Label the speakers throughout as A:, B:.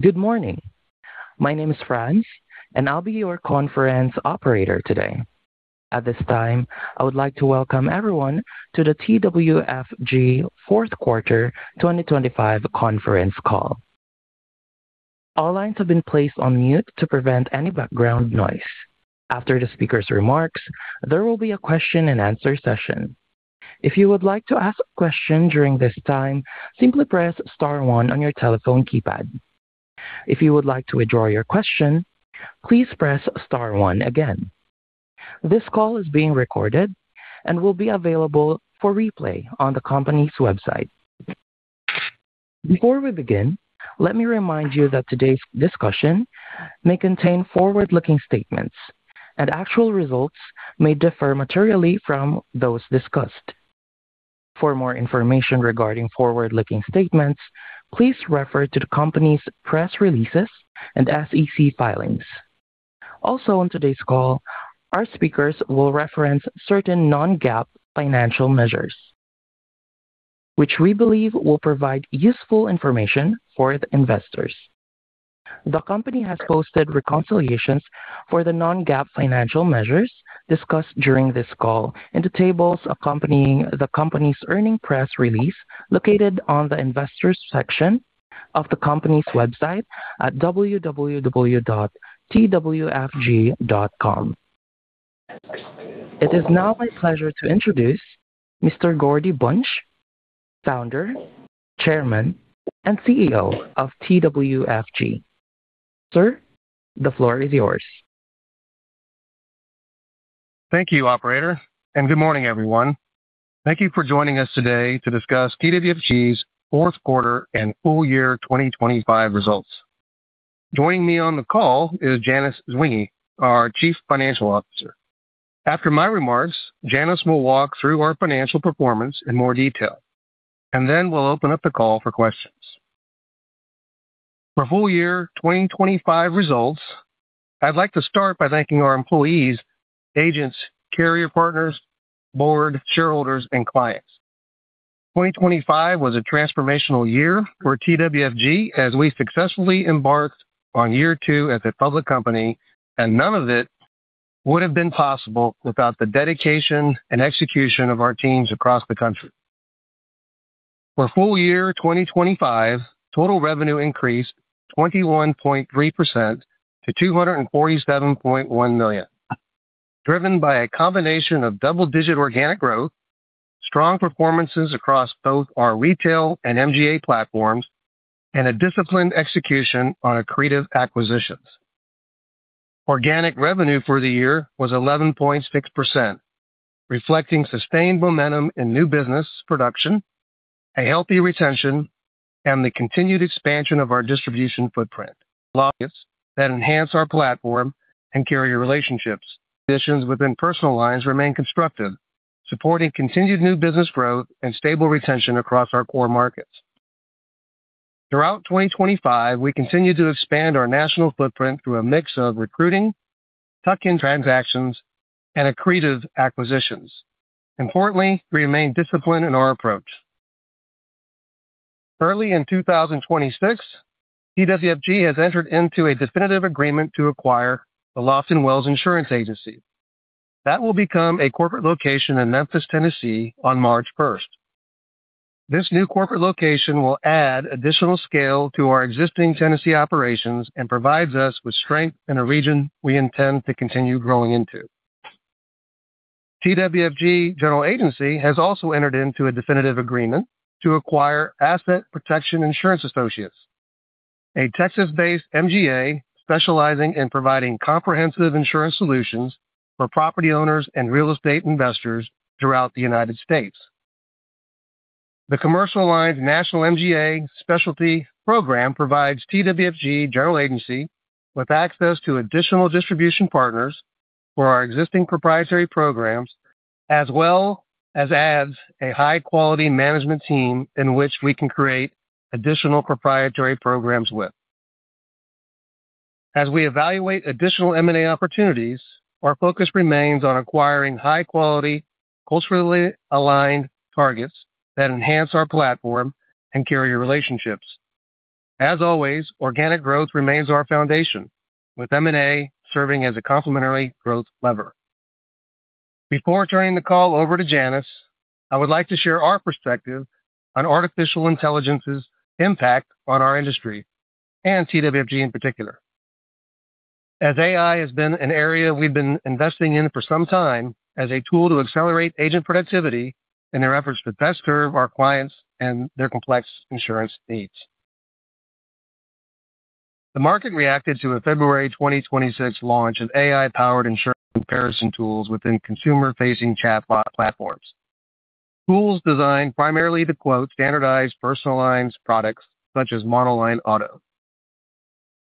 A: Good morning. My name is Fran, and I'll be your conference operator today. At this time, I would like to welcome everyone to the TWFG fourth quarter 2025 conference call. All lines have been placed on mute to prevent any background noise. After the speaker's remarks, there will be a question-and-answer session. If you would like to ask a question during this time, simply press star one on your telephone keypad. If you would like to withdraw your question, please press star one again. This call is being recorded and will be available for replay on the company's website. Before we begin, let me remind you that today's discussion may contain forward-looking statements, and actual results may differ materially from those discussed. For more information regarding forward-looking statements, please refer to the company's press releases and SEC filings. Also, on today's call, our speakers will reference certain non-GAAP financial measures, which we believe will provide useful information for the investors. The company has posted reconciliations for the non-GAAP financial measures discussed during this call in the tables accompanying the company's earnings press release, located on the investors section of the company's website at www.twfg.com. It is now my pleasure to introduce Mr. Gordy Bunch, Founder, Chairman, and CEO of TWFG. Sir, the floor is yours.
B: Thank you, Operator, and good morning, everyone. Thank you for joining us today to discuss TWFG's fourth quarter and full year 2025 results. Joining me on the call is Janice Zwinggi, our Chief Financial Officer. After my remarks, Janice will walk through our financial performance in more detail, and then we'll open up the call for questions. For full year 2025 results, I'd like to start by thanking our employees, agents, carrier partners, board, shareholders, and clients. 2025 was a transformational year for TWFG as we successfully embarked on year two as a public company, and none of it would have been possible without the dedication and execution of our teams across the country. For full year 2025, total revenue increased 21.3% to $247.1 million, driven by a combination of double-digit organic growth, strong performances across both our retail and MGA platforms, and a disciplined execution on accretive acquisitions. Organic revenue for the year was 11.6%, reflecting sustained momentum in new business production, a healthy retention, and the continued expansion of our distribution footprint. that enhance our platform and carrier relationships. Conditions within personal lines remain constructive, supporting continued new business growth and stable retention across our core markets. Throughout 2025, we continued to expand our national footprint through a mix of recruiting, tuck-in transactions, and accretive acquisitions. Importantly, we remain disciplined in our approach. Early in 2026, TWFG has entered into a definitive agreement to acquire the Loften Wells Insurance Agency. That will become a corporate location in Memphis, Tennessee, on March first. This new corporate location will add additional scale to our existing Tennessee operations and provides us with strength in a region we intend to continue growing into. TWFG General Agency has also entered into a definitive agreement to acquire Asset Protection Insurance Associates, a Texas-based MGA specializing in providing comprehensive insurance solutions for property owners and real estate investors throughout the United States. The Commercial Lines National MGA Specialty Program provides TWFG General Agency with access to additional distribution partners for our existing proprietary programs, as well as adds a high-quality management team in which we can create additional proprietary programs with. As we evaluate additional M&A opportunities, our focus remains on acquiring high-quality, culturally aligned targets that enhance our platform and carrier relationships. As always, organic growth remains our foundation, with M&A serving as a complementary growth lever. Before turning the call over to Janice, I would like to share our perspective on artificial intelligence's impact on our industry and TWFG in particular, as AI has been an area we've been investing in for some time as a tool to accelerate agent productivity in their efforts to best serve our clients and their complex insurance needs. The market reacted to a February 2026 launch of AI-powered insurance comparison tools within consumer-facing chatbot platforms, tools designed primarily to quote standardized personal lines products such as monoline auto.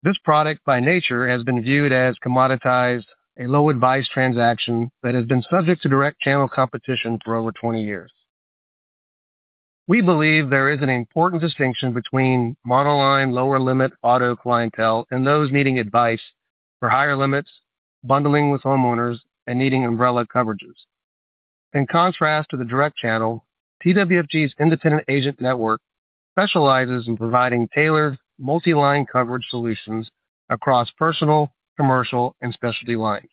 B: This product, by nature, has been viewed as commoditized, a low-advice transaction that has been subject to direct channel competition for over 20 years. We believe there is an important distinction between monoline lower-limit auto clientele and those needing advice for higher limits, bundling with homeowners, and needing umbrella coverages. In contrast to the direct channel, TWFG's independent agent network specializes in providing tailored, multi-line coverage solutions across personal, commercial, and specialty lines.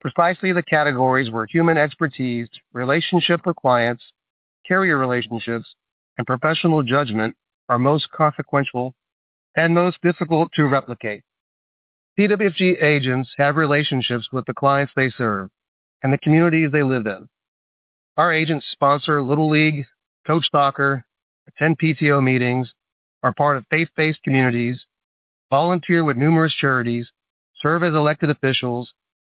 B: Precisely the categories where human expertise, relationship with clients, carrier relationships, and professional judgment are most consequential and most difficult to replicate. TWFG agents have relationships with the clients they serve and the communities they live in. Our agents sponsor Little League, coach soccer, attend PTO meetings, are part of faith-based communities, volunteer with numerous charities, serve as elected officials,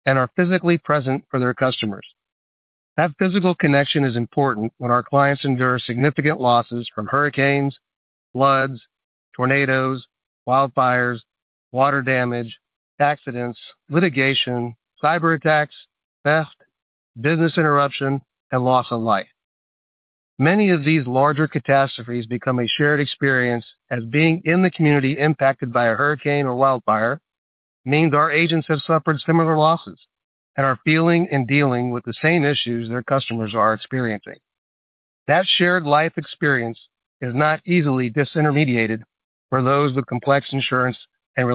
B: and are physically present for their customers. That physical connection is important when our clients endure significant losses from hurricanes, floods, tornadoes, wildfires, water damage, accidents, litigation, cyber attacks, theft, business interruption, and loss of life. Many of these larger catastrophes become a shared experience, as being in the community impacted by a hurricane or wildfire means our agents have suffered similar losses and are feeling and dealing with the same issues their customers are experiencing. That shared life experience is not easily disintermediated for those with complex insurance and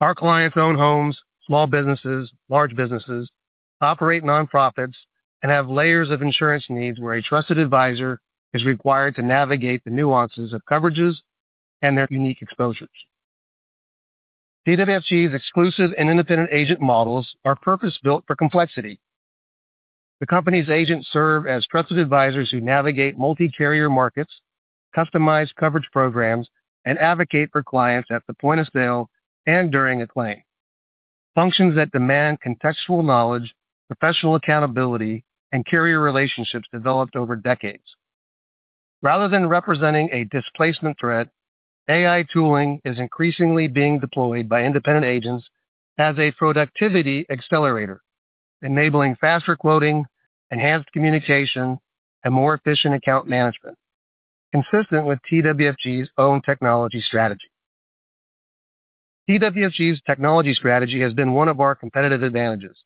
B: relationship needs. Our clients own homes, small businesses, large businesses, operate nonprofits, and have layers of insurance needs where a trusted advisor is required to navigate the nuances of coverages and their unique exposures. TWFG's exclusive and independent agent models are purpose-built for complexity. The company's agents serve as trusted advisors who navigate multi-carrier markets, customize coverage programs, and advocate for clients at the point of sale and during a claim. Functions that demand contextual knowledge, professional accountability, and carrier relationships developed over decades. Rather than representing a displacement threat, AI tooling is increasingly being deployed by independent agents as a productivity accelerator, enabling faster quoting, enhanced communication, and more efficient account management, consistent with TWFG's own technology strategy. TWFG's technology strategy has been one of our competitive advantages.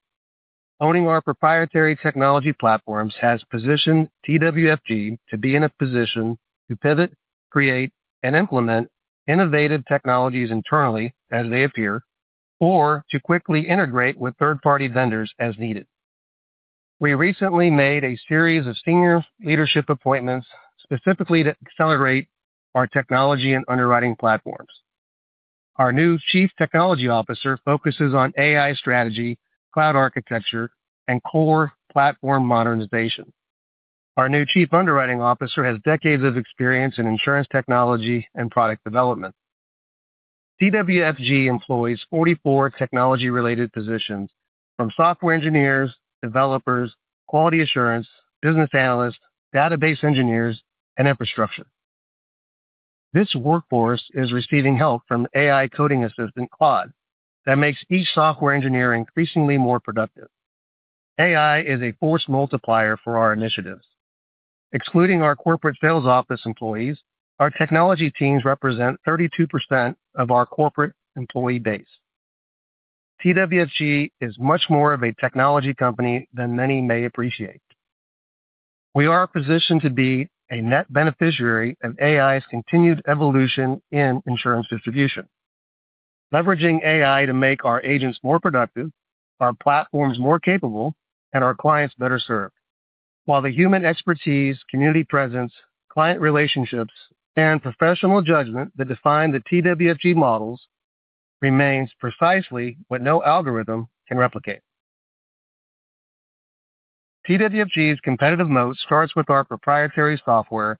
B: Owning our proprietary technology platforms has positioned TWFG to be in a position to pivot, create, and implement innovative technologies internally as they appear, or to quickly integrate with third-party vendors as needed. We recently made a series of senior leadership appointments specifically to accelerate our technology and underwriting platforms. Our new Chief Technology Officer focuses on AI strategy, cloud architecture, and core platform modernization. Our new Chief Underwriting Officer has decades of experience in insurance technology and product development. TWFG employs 44 technology-related positions, from software engineers, developers, quality assurance, business analysts, database engineers, and infrastructure. This workforce is receiving help from AI coding assistant, Claude, that makes each software engineer increasingly more productive. AI is a force multiplier for our initiatives. Excluding our corporate sales office employees, our technology teams represent 32% of our corporate employee base. TWFG is much more of a technology company than many may appreciate. We are positioned to be a net beneficiary of AI's continued evolution in insurance distribution, leveraging AI to make our agents more productive, our platforms more capable, and our clients better served. While the human expertise, community presence, client relationships, and professional judgment that define the TWFG models remains precisely what no algorithm can replicate. TWFG's competitive mode starts with our proprietary software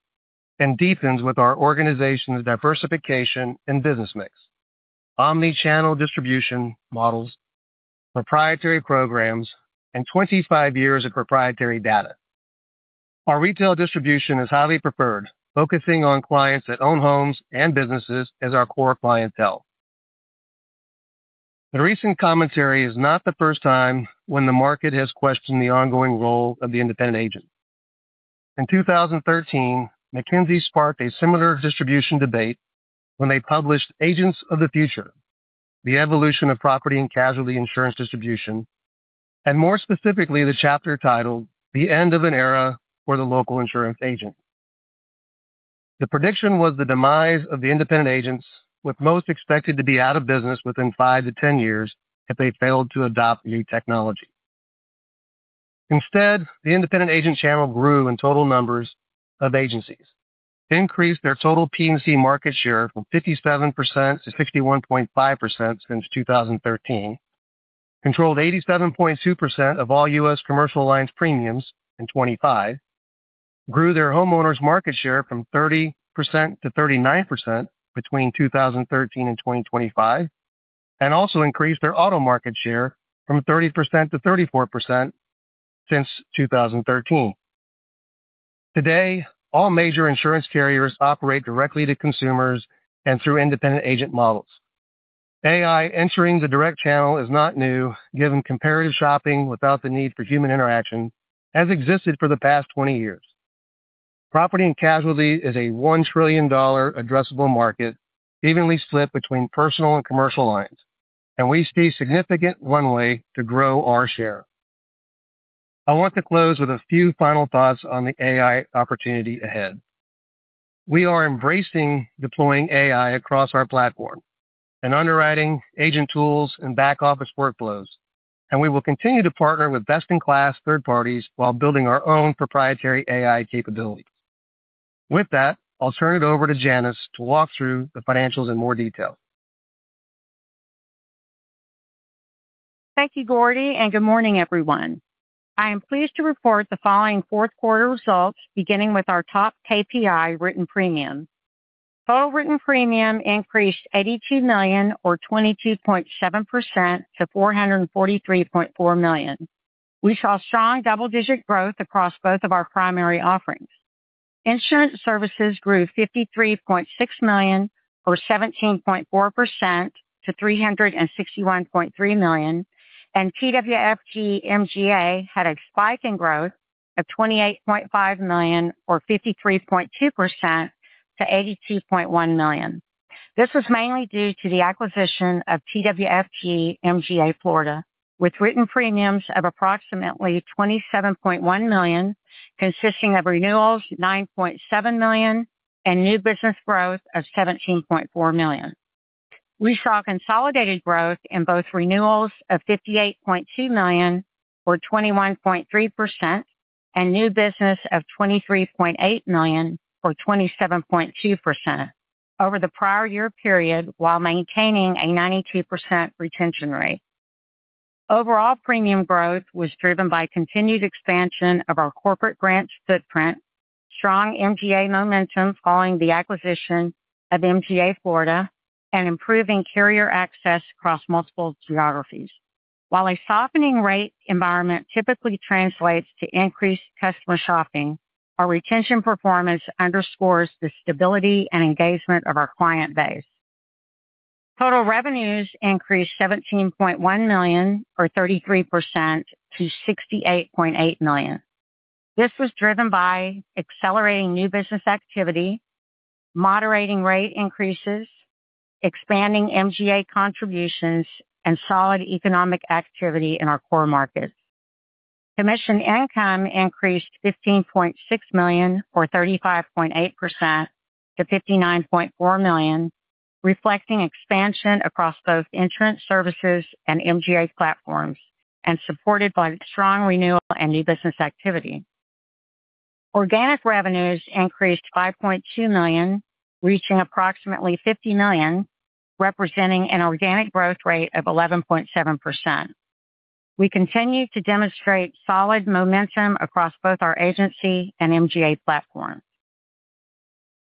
B: and deepens with our organization's diversification and business mix, omni-channel distribution models, proprietary programs, and 25 years of proprietary data. Our retail distribution is highly preferred, focusing on clients that own homes and businesses as our core clientele. The recent commentary is not the first time when the market has questioned the ongoing role of the independent agent. In 2013, McKinsey sparked a similar distribution debate when they published Agents of the Future: The Evolution of Property and Casualty Insurance Distribution, and more specifically, the chapter titled, The End of An Era for the Local Insurance Agent. The prediction was the demise of the independent agents, with most expected to be out of business within 5-10 years if they failed to adopt new technology. Instead, the independent agent channel grew in total numbers of agencies, increased their total P&C market share from 57% to 61.5% since 2013, controlled 87.2% of all U.S. commercial lines premiums in 2025, grew their homeowners market share from 30% to 39% between 2013 and 2025, and also increased their auto market share from 30% to 34% since 2013. Today, all major insurance carriers operate directly to consumers and through independent agent models. AI entering the direct channel is not new, given comparative shopping without the need for human interaction has existed for the past 20 years. Property and casualty is a $1 trillion addressable market, evenly split between personal and commercial lines, and we see significant runway to grow our share. I want to close with a few final thoughts on the AI opportunity ahead. We are embracing deploying AI across our platform, in underwriting, agent tools, and back-office workflows, and we will continue to partner with best-in-class third parties while building our own proprietary AI capabilities. With that, I'll turn it over to Janice to walk through the financials in more detail.
C: Thank you, Gordy. Good morning, everyone. I am pleased to report the following fourth quarter results, beginning with our top KPI, written premium. Total written premium increased $82 million, or 22.7% to $443.4 million. We saw strong double-digit growth across both of our primary offerings. Insurance services grew $53.6 million, or 17.4% to $361.3 million, and TWFG MGA had a spike in growth of $28.5 million, or 53.2% to $82.1 million. This was mainly due to the acquisition of TWFG MGA Florida, with written premiums of approximately $27.1 million, consisting of renewals, $9.7 million, and new business growth of $17.4 million. We saw consolidated growth in both renewals of $58.2 million, or 21.3%, and new business of $23.8 million, or 27.2%, over the prior year period, while maintaining a 92% retention rate. Overall premium growth was driven by continued expansion of our corporate branch footprint, strong MGA momentum following the acquisition of MGA Florida, and improving carrier access across multiple geographies. While a softening rate environment typically translates to increased customer shopping, our retention performance underscores the stability and engagement of our client base. Total revenues increased $17.1 million, or 33% to $68.8 million. This was driven by accelerating new business activity, moderating rate increases, expanding MGA contributions, and solid economic activity in our core markets. Commission income increased $15.6 million, or 35.8% to $59.4 million, reflecting expansion across both insurance services and MGA platforms, and supported by strong renewal and new business activity. Organic revenues increased $5.2 million, reaching approximately $50 million, representing an organic growth rate of 11.7%. We continue to demonstrate solid momentum across both our agency and MGA platform.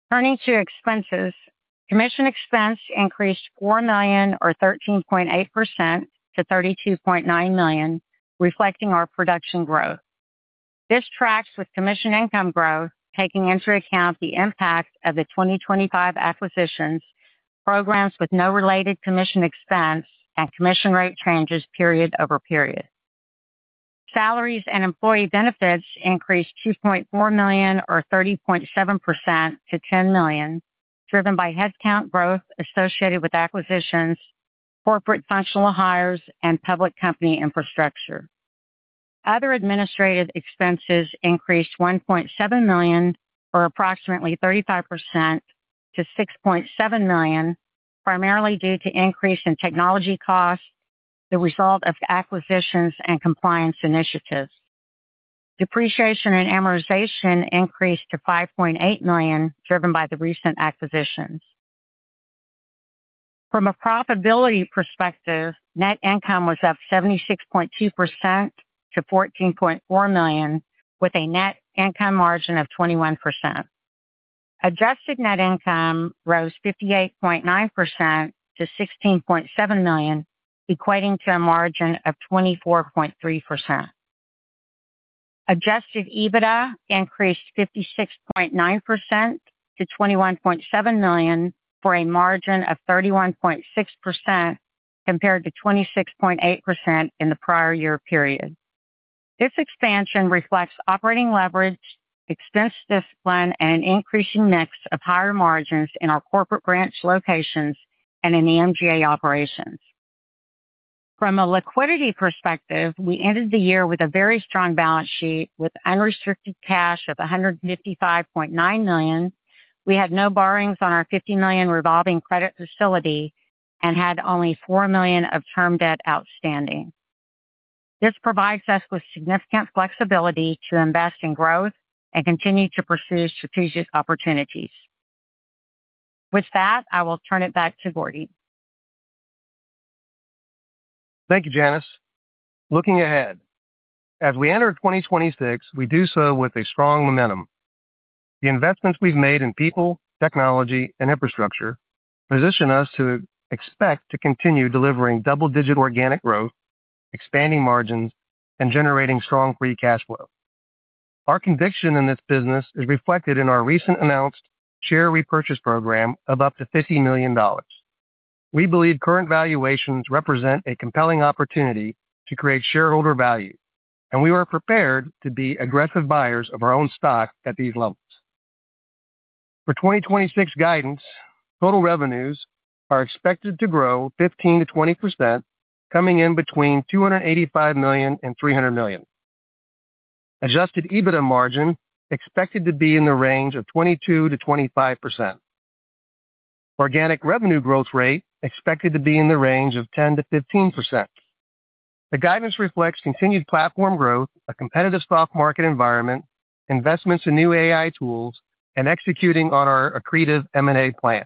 C: Turning to expenses, commission expense increased $4 million or 13.8% to $32.9 million, reflecting our production growth. This tracks with commission income growth, taking into account the impact of the 2025 acquisitions, programs with no related commission expense, and commission rate changes period-over-period. Salaries and employee benefits increased $2.4 million or 30.7% to $10 million, driven by headcount growth associated with acquisitions, corporate functional hires, and public company infrastructure. Other administrative expenses increased $1.7 million, or approximately 35% to $6.7 million, primarily due to increase in technology costs, the result of acquisitions and compliance initiatives. Depreciation and amortization increased to $5.8 million, driven by the recent acquisitions. From a profitability perspective, net income was up 76.2% to $14.4 million, with a net income margin of 21%. Adjusted net income rose 58.9% to $16.7 million, equating to a margin of 24.3%. Adjusted EBITDA increased 56.9% to $21.7 million, for a margin of 31.6%, compared to 26.8% in the prior year period. This expansion reflects operating leverage, expense discipline, and an increasing mix of higher margins in our corporate branch locations and in the MGA operations. From a liquidity perspective, we ended the year with a very strong balance sheet with unrestricted cash of $155.9 million. We had no borrowings on our $50 million revolving credit facility and had only $4 million of term debt outstanding. This provides us with significant flexibility to invest in growth and continue to pursue strategic opportunities. With that, I will turn it back to Gordy.
B: Thank you, Janice. Looking ahead, as we enter 2026, we do so with a strong momentum. The investments we've made in people, technology, and infrastructure position us to expect to continue delivering double-digit organic growth, expanding margins, and generating strong free cash flow. Our conviction in this business is reflected in our recent announced share repurchase program of up to $50 million. We believe current valuations represent a compelling opportunity to create shareholder value, and we are prepared to be aggressive buyers of our own stock at these levels. For 2026 guidance, total revenues are expected to grow 15%-20%, coming in between $285 million and $300 million. Adjusted EBITDA margin expected to be in the range of 22%-25%. Organic revenue growth rate expected to be in the range of 10%-15%. The guidance reflects continued platform growth, a competitive soft market environment, investments in new AI tools, and executing on our accretive M&A plans.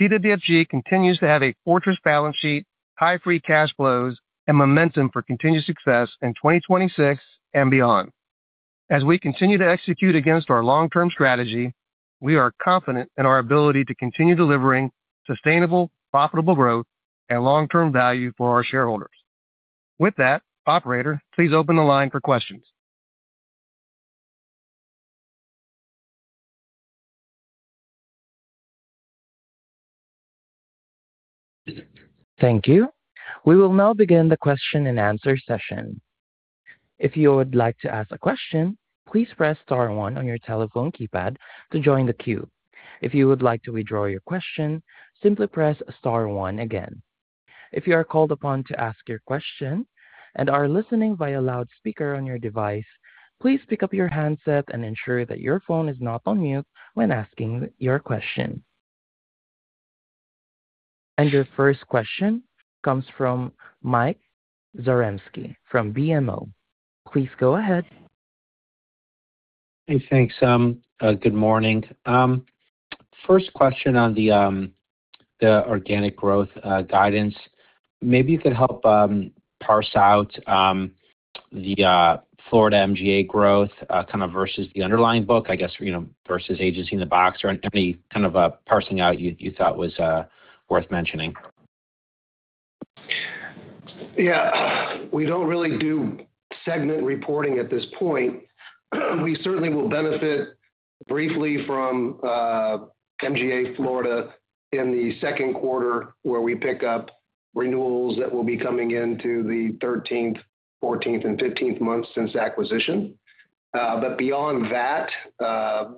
B: TWFG continues to have a fortress balance sheet, high free cash flows, and momentum for continued success in 2026 and beyond. As we continue to execute against our long-term strategy, we are confident in our ability to continue delivering sustainable, profitable growth and long-term value for our shareholders. With that, operator, please open the line for questions.
A: Thank you. We will now begin the question-and-answer session. If you would like to ask a question, please press star one on your telephone keypad to join the queue. If you would like to withdraw your question, simply press star one again. If you are called upon to ask your question and are listening via loudspeaker on your device, please pick up your handset and ensure that your phone is not on mute when asking your question. Your first question comes from Michael Zaremski from BMO. Please go ahead.
D: Hey, thanks. Good morning. First question on the organic growth guidance. Maybe you could help parse out the Florida MGA growth, kind of, versus the underlying book, I guess, you know, versus Agency in a Box or any kind of parsing out you thought was worth mentioning.
B: Yeah, we don't really do segment reporting at this point. We certainly will benefit briefly from MGA Florida in the second quarter, where we pick up renewals that will be coming into the 13th, 14th, and 15th months since acquisition. Beyond that,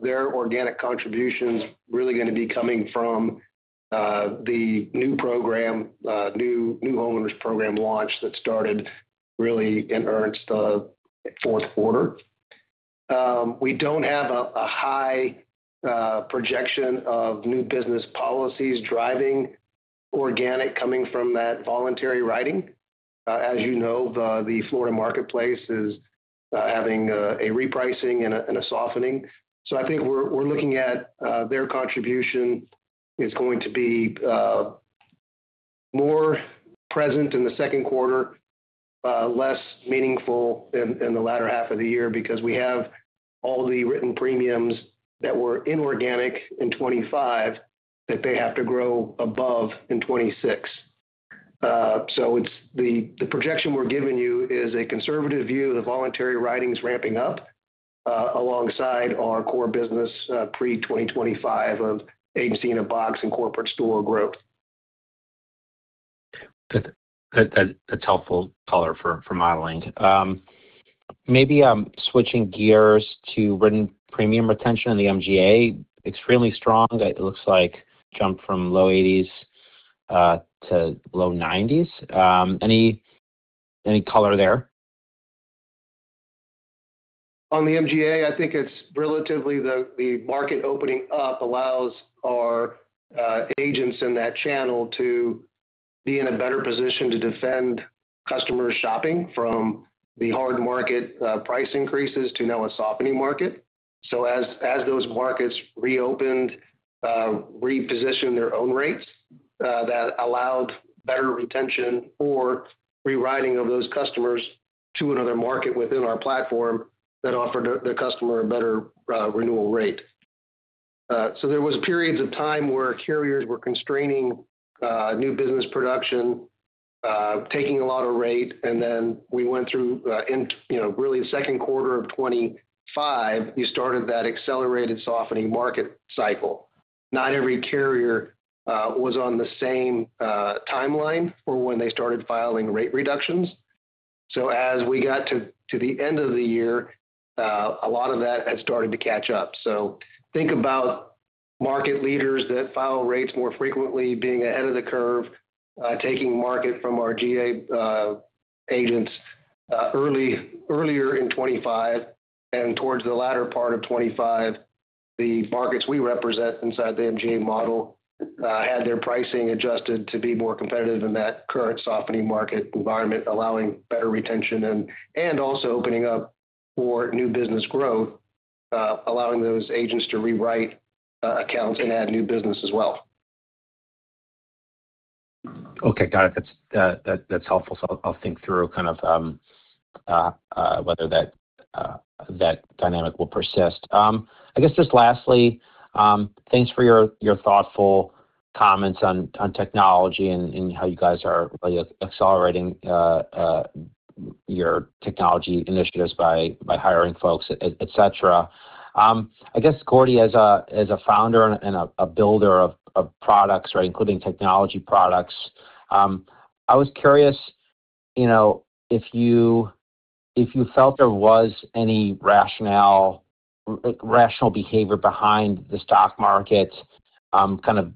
B: their organic contribution is really going to be coming from the new homeowners program launch that started really in earnest, fourth quarter. We don't have a high projection of new business policies driving organic coming from that voluntary writing. As you know, the Florida marketplace is having a repricing and a softening. I think we're looking at their contribution is going to be more present in the second quarter, less meaningful in the latter half of the year, because we have all the written premiums that were inorganic in 2025 that they have to grow above in 2026. It's the projection we're giving you is a conservative view of the voluntary writings ramping up alongside our core business pre-2025 of Agency in a Box and corporate store growth.
D: That's helpful color for modeling. Maybe switching gears to written premium retention in the MGA. Extremely strong. It looks like jumped from low eighties to low nineties. Any color there?
B: On the MGA, I think it's relatively the market opening up allows our agents in that channel to be in a better position to defend customer shopping from the hard market, price increases to now a softening market. As those markets reopened, repositioned their own rates, that allowed better retention or rewriting of those customers to another market within our platform that offered the customer a better renewal rate. There was periods of time where carriers were constraining new business production, taking a lot of rate, and then we went through, in, you know, really the second quarter of 2025, you started that accelerated softening market cycle. Not every carrier was on the same timeline for when they started filing rate reductions. As we got to the end of the year, a lot of that had started to catch up. Think about market leaders that file rates more frequently being ahead of the curve, taking market from our GA agents earlier in 2025. Towards the latter part of 2025, the markets we represent inside the MGA model had their pricing adjusted to be more competitive in that current softening market environment, allowing better retention and also opening up for new business growth, allowing those agents to rewrite accounts and add new business as well.
D: Okay, got it. That's, that's helpful. I'll think through kind of whether that dynamic will persist. I guess just lastly, thanks for your thoughtful comments on technology and how you guys are accelerating your technology initiatives by hiring folks, et cetera. I guess, Gordy, as a founder and a builder of products, right? Including technology products, I was curious, you know, if you felt there was any rationale, like, rational behavior behind the stock market, kind of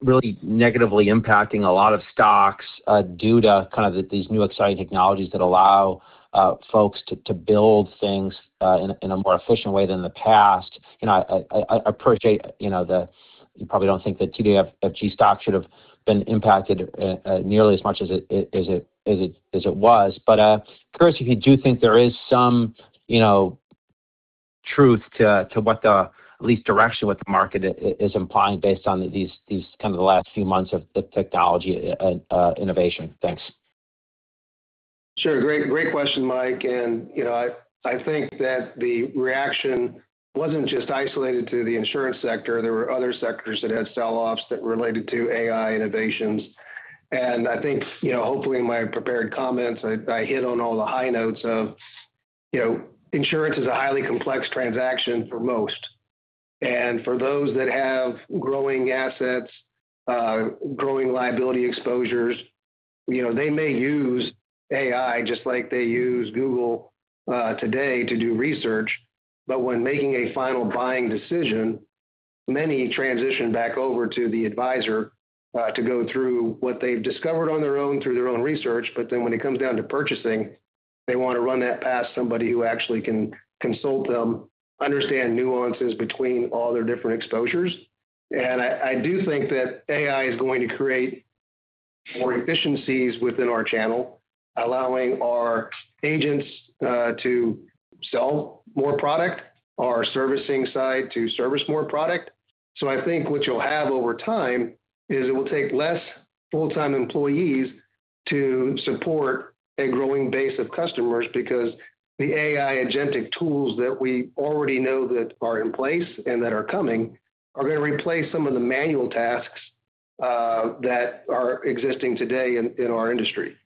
D: really negatively impacting a lot of stocks, due to kind of these new exciting technologies that allow folks to build things in a more efficient way than in the past. You know, I appreciate, you know, you probably don't think that TWFG stock should have been impacted, nearly as much as it was. Curious if you do think there is some, you know, truth to, at least direction, what the market is implying based on these kind of the last few months of the technology innovation. Thanks.
B: Sure. Great, great question, Mike. You know, I think that the reaction wasn't just isolated to the insurance sector. There were other sectors that had sell-offs that related to AI innovations. I think, you know, hopefully in my prepared comments, I hit on all the high notes of, you know, insurance is a highly complex transaction for most. For those that have growing assets, growing liability exposures, you know, they may use AI just like they use Google today to do research. When making a final buying decision, many transition back over to the advisor, to go through what they've discovered on their own, through their own research, but then when it comes down to purchasing, they want to run that past somebody who actually can consult them, understand nuances between all their different exposures. I do think that AI is going to create more efficiencies within our channel, allowing our agents to sell more product, our servicing side to service more product. I think what you'll have over time is it will take less full-time employees to support a growing base of customers, because the AI agentic tools that we already know that are in place and that are coming, are going to replace some of the manual tasks that are existing today in our industry.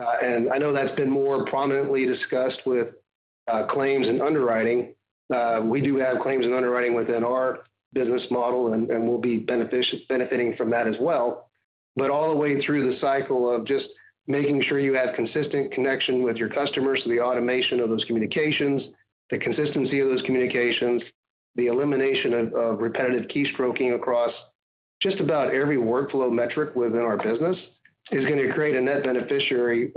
B: I know that's been more prominently discussed with claims and underwriting. We do have claims and underwriting within our business model, and we'll be benefiting from that as well. All the way through the cycle of just making sure you have consistent connection with your customers, the automation of those communications, the consistency of those communications, the elimination of repetitive keystroking across just about every workflow metric within our business, is going to create a net beneficiary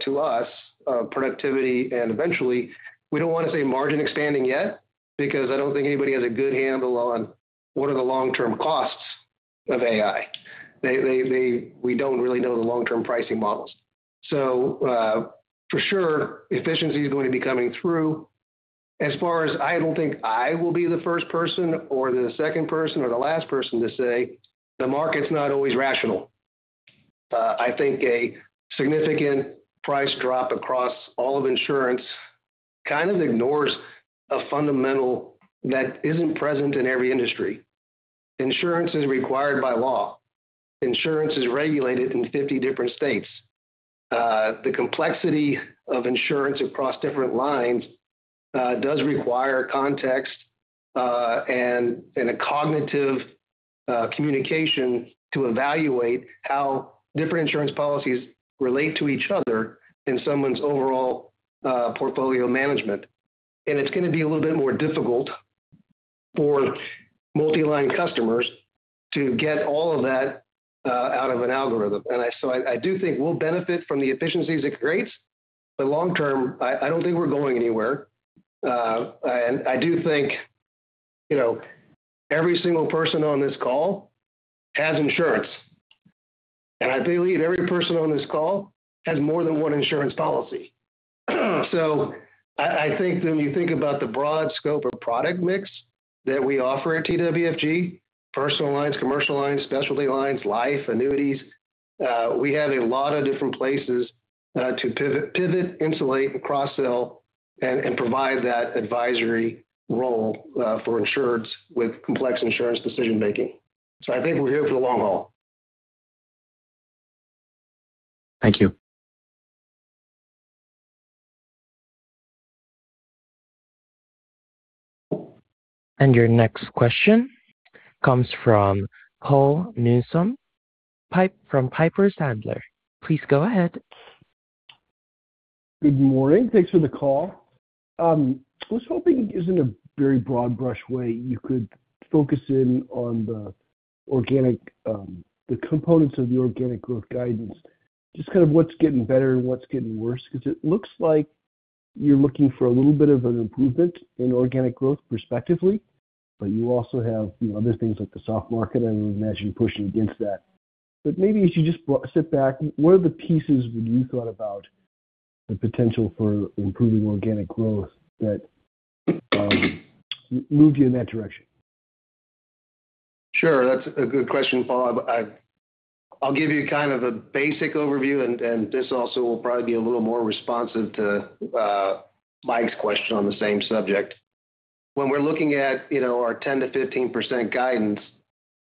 B: to us, of productivity. Eventually, we don't want to say margin expanding yet, because I don't think anybody has a good handle on what are the long-term costs of AI. We don't really know the long-term pricing models. For sure, efficiency is going to be coming through. As far as I don't think I will be the first person or the second person, or the last person to say the market's not always rational. I think a significant price drop across all of insurance kind of ignores a fundamental that isn't present in every industry. Insurance is required by law. Insurance is regulated in 50 different states. The complexity of insurance across different lines does require context and a cognitive communication to evaluate how different insurance policies relate to each other in someone's overall portfolio management. It's going to be a little bit more difficult for multi-line customers to get all of that out of an algorithm. So I do think we'll benefit from the efficiencies it creates, but long term, I don't think we're going anywhere. I do think, you know, every single person on this call has insurance, and I believe every person on this call has more than one insurance policy. I think when you think about the broad scope of product mix that we offer at TWFG, personal lines, commercial lines, specialty lines, life, annuities, we have a lot of different places to pivot, insulate, and cross-sell and provide that advisory role for insureds with complex insurance decision-making. I think we're here for the long haul.
D: Thank you.
A: Your next question comes from Paul Newsome from Piper Sandler. Please go ahead.
E: Good morning. Thanks for the call. I was hoping, just in a very broad-brush way, you could focus in on the organic, the components of the organic growth guidance. Just kind of what's getting better and what's getting worse, because it looks like you're looking for a little bit of an improvement in organic growth respectively, but you also have, you know, other things like the soft market, I would imagine, pushing against that. Maybe if you just sit back, what are the pieces when you thought about the potential for improving organic growth that moved you in that direction?
B: Sure. That's a good question, Paul. I've, I'll give you kind of a basic overview, and this also will probably be a little more responsive to Mike's question on the same subject. When we're looking at, you know, our 10%-15% guidance,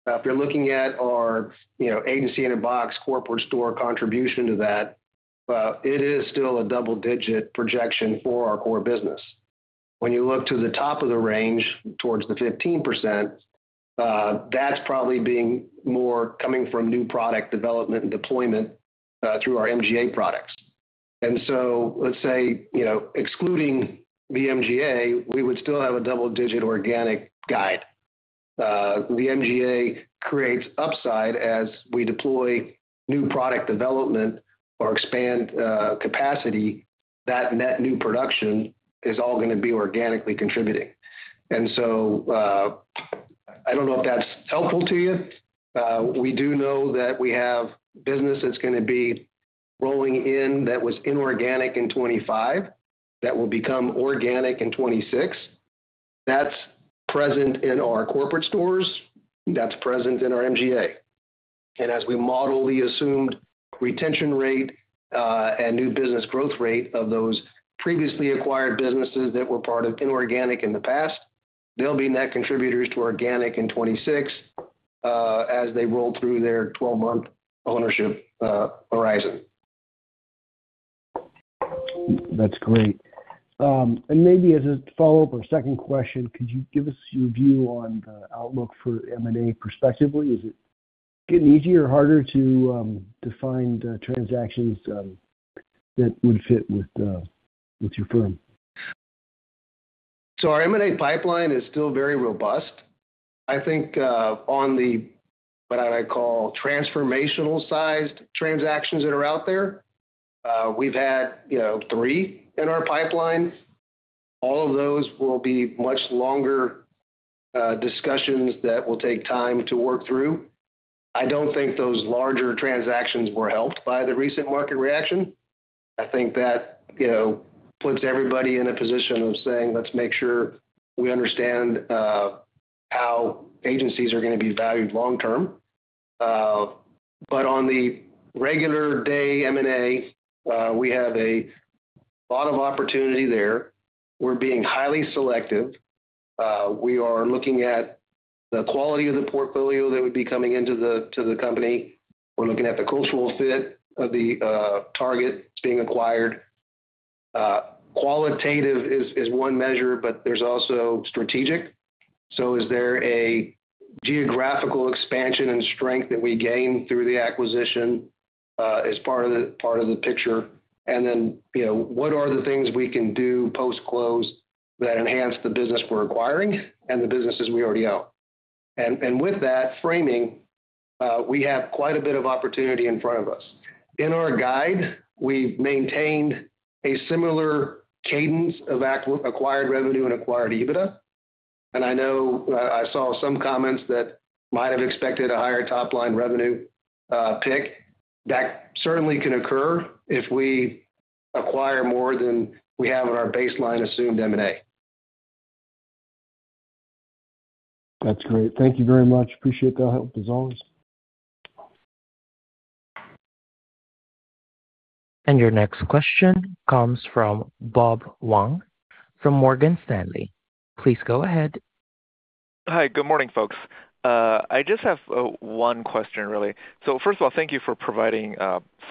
B: if you're looking at our, you know, Agency in a Box, corporate store contribution to that, it is still a double-digit projection for our core business. When you look to the top of the range, towards the 15%, that's probably being more coming from new product development and deployment through our MGA products. Let's say, you know, excluding the MGA, we would still have a double-digit organic guide. The MGA creates upside as we deploy new product development or expand capacity, that net new production is all going to be organically contributing. I don't know if that's helpful to you. We do know that we have business that's going to be rolling in that was inorganic in 2025, that will become organic in 2026. That's present in our corporate stores, that's present in our MGA. As we model the assumed retention rate, and new business growth rate of those previously acquired businesses that were part of inorganic in the past, they'll be net contributors to organic in 2026, as they roll through their 12-month ownership, horizon.
E: That's great. Maybe as a follow-up or second question, could you give us your view on the outlook for M&A prospectively? Is it getting easier or harder to find transactions that would fit with your firm?
B: Our M&A pipeline is still very robust. I think, on the, what I call transformational sized transactions that are out there, we've had, you know, three in our pipeline. All of those will be much longer discussions that will take time to work through. I don't think those larger transactions were helped by the recent market reaction. I think that, you know, puts everybody in a position of saying, let's make sure we understand how agencies are going to be valued long term. On the regular day M&A, we have a lot of opportunity there. We're being highly selective. We are looking at the quality of the portfolio that would be coming into the company. We're looking at the cultural fit of the target being acquired. Qualitative is one measure, but there's also strategic. Is there a geographical expansion and strength that we gain through the acquisition as part of the picture? Then, you know, what are the things we can do post-close that enhance the business we're acquiring and the businesses we already own? With that framing, we have quite a bit of opportunity in front of us. In our guide, we've maintained a similar cadence of acquired revenue and acquired EBITDA. I know I saw some comments that might have expected a higher top-line revenue pick. That certainly can occur if we acquire more than we have in our baseline assumed M&A.
E: That's great. Thank you very much. Appreciate the help, as always.
A: Your next question comes from Bob Huang from Morgan Stanley. Please go ahead.
F: Hi. Good morning, folks. I just have one question, really. First of all, thank you for providing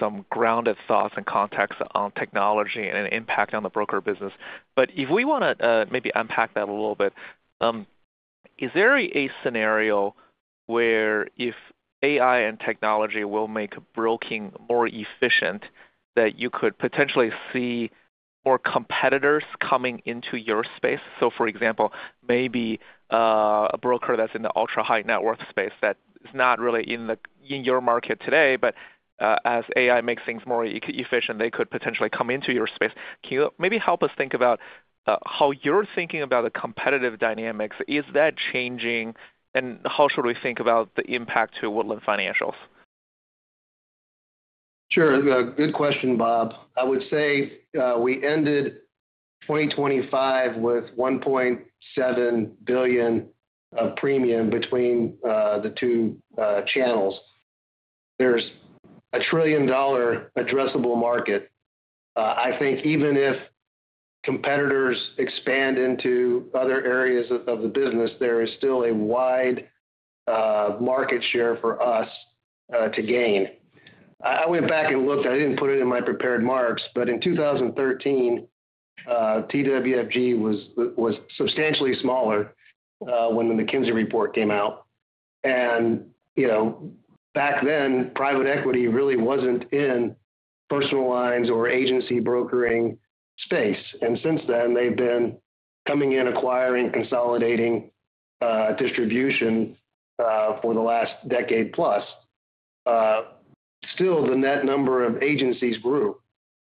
F: some grounded thoughts and context on technology and impact on the broker business. If we want to maybe unpack that a little bit, is there a scenario where if AI and technology will make broking more efficient, that you could potentially see more competitors coming into your space? For example, maybe a broker that's in the ultra-high net worth space that is not really in your market today, as AI makes things more efficient, they could potentially come into your space. Can you maybe help us think about how you're thinking about the competitive dynamics? Is that changing, and how should we think about the impact to Woodlands Financials?
B: Sure. Good question, Bob. I would say, we ended 2025 with $1.7 billion of premium between the two channels. There's a $1 trillion addressable market. I think even if competitors expand into other areas of the business, there is still a wide market share for us to gain. I went back and looked. I didn't put it in my prepared marks, but in 2013, TWFG was substantially smaller when the McKinsey report came out. You know, back then, private equity really wasn't in personal lines or agency brokering space. Since then, they've been coming in, acquiring, consolidating distribution for the last decade plus. Still, the net number of agencies grew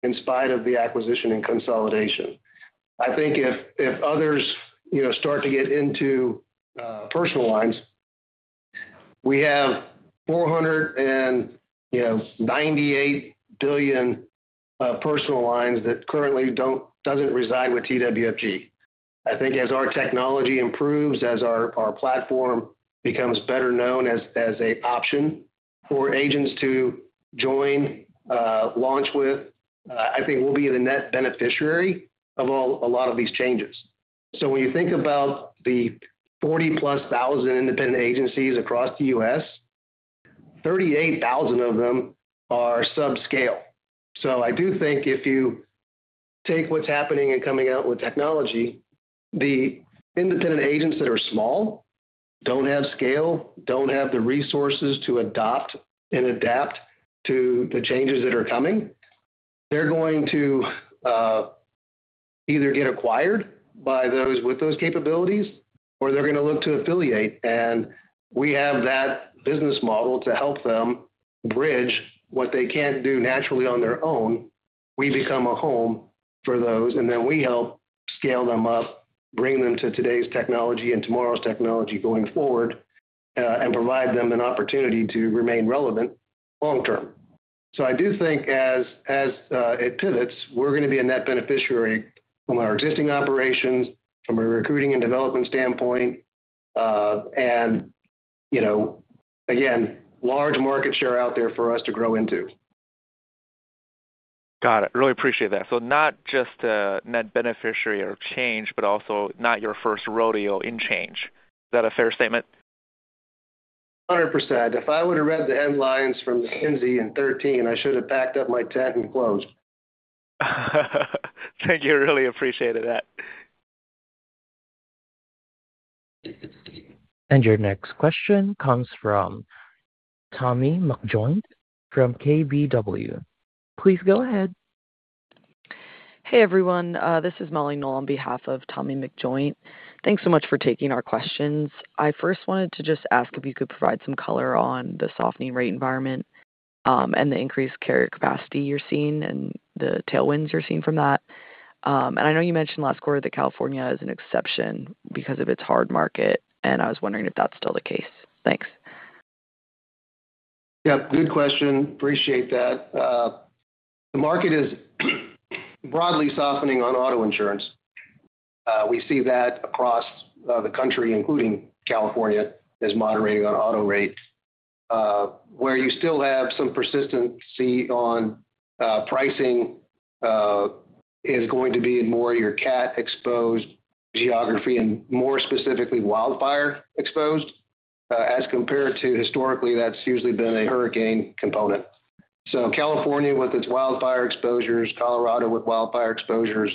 B: in spite of the acquisition and consolidation. I think if others, you know, start to get into personal lines, we have $498 billion, you know, personal lines that currently doesn't reside with TWFG. I think as our technology improves, as our platform becomes better known as a option for agents to join, launch with, I think we'll be the net beneficiary of all, a lot of these changes. When you think about the 40+ thousand independent agencies across the U.S., 38,000 of them are subscale. I do think if you take what's happening and coming out with technology, the independent agents that are small, don't have scale, don't have the resources to adopt and adapt to the changes that are coming, they're going to either get acquired by those with those capabilities, or they're going to look to affiliate, and we have that business model to help them bridge what they can't do naturally on their own. We become a home for those, and then we help scale them up, bring them to today's technology and tomorrow's technology going forward, and provide them an opportunity to remain relevant long term. I do think as it pivots, we're going to be a net beneficiary from our existing operations, from a recruiting and development standpoint. You know, again, large market share out there for us to grow into.
F: Got it. Really appreciate that. Not just a net beneficiary of change, but also not your first rodeo in change. Is that a fair statement?
B: 100%. If I would have read the headlines from McKinsey in 2013, I should have packed up my tent and closed.
F: Thank you. I really appreciated that.
A: Your next question comes from Tommy McJoynt from KBW. Please go ahead.
G: Hey, everyone. This is Molly Knoell, on behalf of Tommy McJoynt. Thanks so much for taking our questions. I first wanted to just ask if you could provide some color on the softening rate environment, and the increased carrier capacity you're seeing and the tailwinds you're seeing from that. I know you mentioned last quarter that California is an exception because of its hard market, and I was wondering if that's still the case. Thanks.
B: Yeah, good question. Appreciate that. The market is broadly softening on auto insurance. We see that across the country, including California, is moderating on auto rates. Where you still have some persistency on pricing is going to be in more your cat-exposed geography and more specifically, wildfire exposed, as compared to historically, that's usually been a hurricane component. California, with its wildfire exposures, Colorado with wildfire exposures,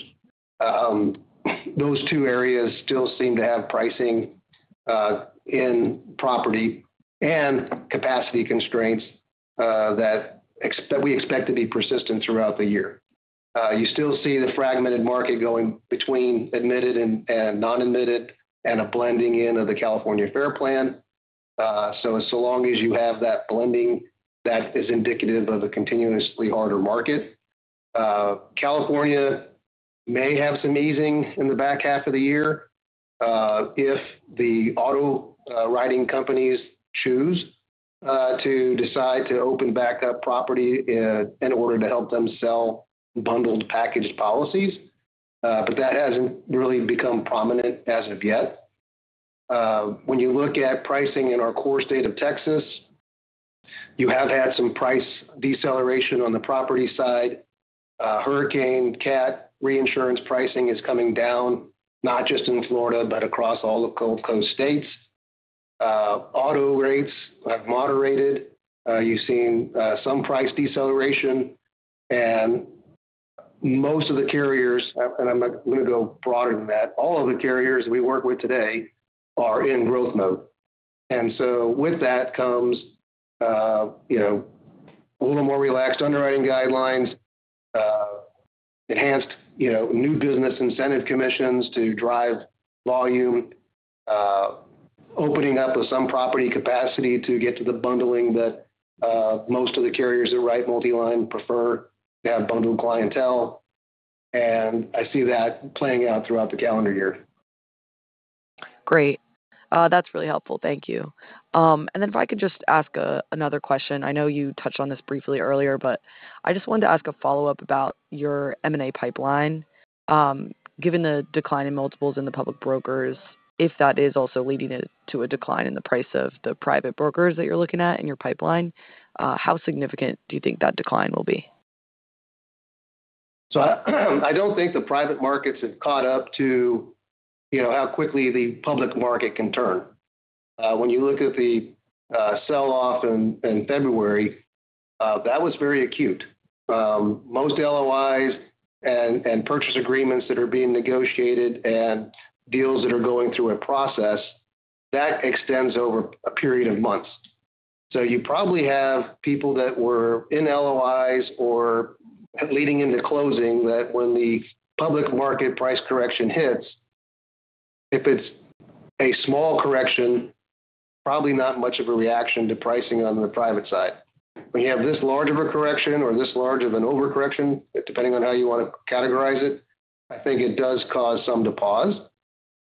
B: those two areas still seem to have pricing in property and capacity constraints that we expect to be persistent throughout the year. You still see the fragmented market going between admitted and non-admitted, and a blending in of the California FAIR Plan. Long as you have that blending, that is indicative of a continuously harder market. California may have some easing in the back half of the year, if the auto writing companies choose to decide to open back up property in order to help them sell bundled packaged policies. But that hasn't really become prominent as of yet. When you look at pricing in our core state of Texas, you have had some price deceleration on the property side. Hurricane cat reinsurance pricing is coming down, not just in Florida, but across all the Gulf Coast states. Auto rates have moderated. You've seen some price deceleration and most of the carriers, and I'm going to go broader than that, all of the carriers we work with today are in growth mode. With that comes, you know, a little more relaxed underwriting guidelines, enhanced, you know, new business incentive commissions to drive volume, opening up of some property capacity to get to the bundling that most of the carriers that write multiline prefer to have bundled clientele. I see that playing out throughout the calendar year.
G: Great. That's really helpful. Thank you. If I could just ask another question. I know you touched on this briefly earlier, but I just wanted to ask a follow-up about your M&A pipeline. Given the decline in multiples in the public brokers, if that is also leading it to a decline in the price of the private brokers that you're looking at in your pipeline, how significant do you think that decline will be?
B: I don't think the private markets have caught up to, you know, how quickly the public market can turn. When you look at the sell-off in February, that was very acute. Most LOIs and purchase agreements that are being negotiated and deals that are going through a process, that extends over a period of months. You probably have people that were in LOIs or leading into closing, that when the public market price correction hits, if it's a small correction, probably not much of a reaction to pricing on the private side. When you have this large of a correction or this large of an overcorrection, depending on how you want to categorize it, I think it does cause some to pause.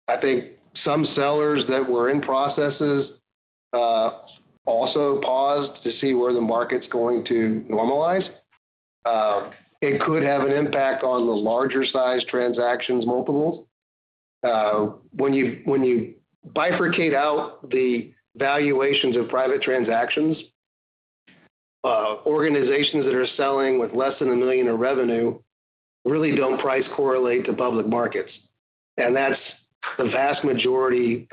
B: I think some sellers that were in processes, also paused to see where the market's going to normalize. It could have an impact on the larger size transactions multiples. When you, when you bifurcate out the valuations of private transactions, organizations that are selling with less than $1 million in revenue really don't price correlate to public markets. That's the vast majority,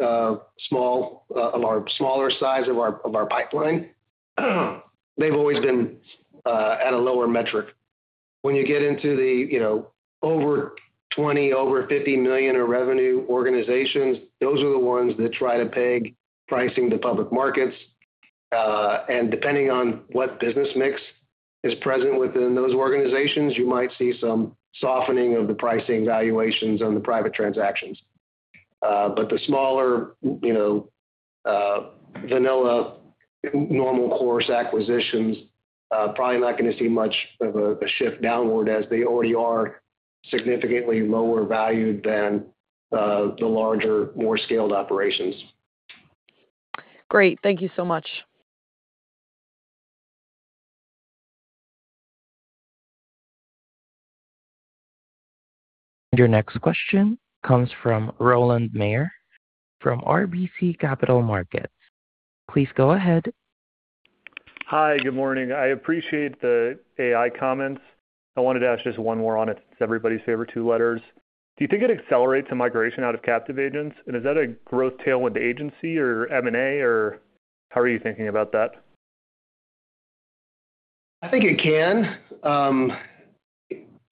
B: small, of our smaller size of our pipeline. They've always been at a lower metric. When you get into the, you know, over 20, over $50 million in revenue organizations, those are the ones that try to peg pricing to public markets. Depending on what business mix is present within those organizations, you might see some softening of the pricing valuations on the private transactions. The smaller, you know, vanilla, normal course acquisitions, probably not going to see much of a shift downward as they already are significantly lower valued than the larger, more scaled operations.
G: Great. Thank you so much.
A: Your next question comes from Rowland Mayor, from RBC Capital Markets. Please go ahead.
H: Hi, good morning. I appreciate the AI comments. I wanted to ask just one more on it. It's everybody's favorite two letters. Do you think it accelerates the migration out of captive agents, is that a growth tailwind to agency or M&A, or how are you thinking about that?
B: I think it can,